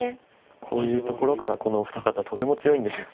こういうところからこのお二方とても強いんですよね。